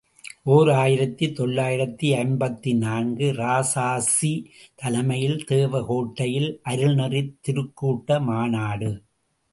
ஓர் ஆயிரத்து தொள்ளாயிரத்து ஐம்பத்து நான்கு ● இராசாசி தலைமையில் தேவகோட்டையில் அருள்நெறித் திருக்கூட்ட மாநாடு.